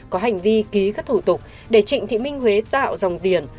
có hành vi ký các thủ tục để trịnh thị minh huế tạo dòng tiền